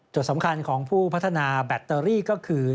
สำคัญของผู้พัฒนาแบตเตอรี่ก็คือ